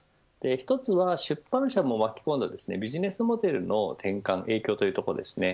１つは出版社も巻き込んだビジネスモデルへの転換影響というところです。